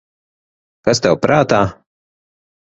Kas tev prātā?